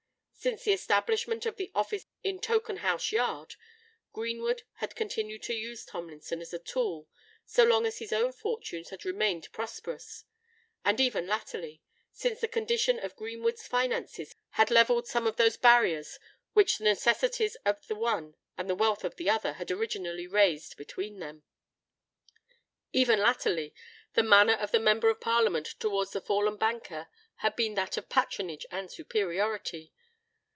Since the establishment of the office in Tokenhouse Yard, Greenwood had continued to use Tomlinson as a tool so long as his own fortunes had remained prosperous;—and even latterly—since the condition of Greenwood's finances had levelled some of those barriers which the necessities of the one and the wealth of the other had originally raised between them,—even latterly, the manner of the Member of Parliament towards the fallen banker had been that of patronage and superiority.